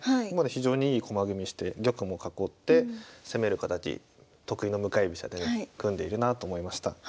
ここまで非常にいい駒組みして玉も囲って攻める形得意の向かい飛車でね組んでいるなと思いました。